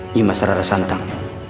nimas rara santang